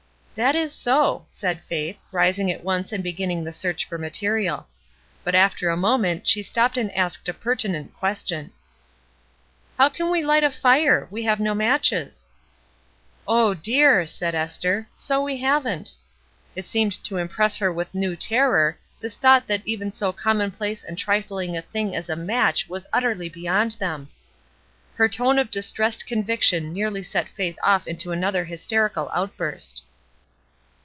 "That is so," said Faith, rising at once and beginning the search for material. But after a moment she stopped and asked a pertinent question. "How can we light a fire? We have no matches." A "CROSS" TRAIL 167 ''0 dear!" said Esther, ''so we haven't." It seemed to impress her with new terror, this thought that even so commonplace and trifling a thing as a match was utterly beyond them. Her tone of distressed conviction nearly set Faith off into another hysterical outburst.